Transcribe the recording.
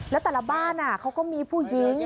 แล้วแต่ละบ้านเขาก็มีผู้หญิง